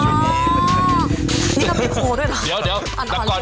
นี่ก็เป็นโคด้วยหรออ่อนอ่อนเร็ว